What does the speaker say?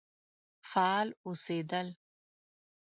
فعال اوسېدل.